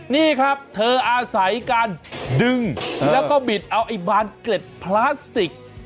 นี่ครับเธออาศัยการดึงแล้วก็บิดเอาไอ้บานเกร็ดพลาสติก